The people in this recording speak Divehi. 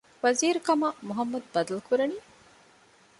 ވަޒީރުކަމަށް މުޙައްމަދު ބަދަލުކުރަނީ؟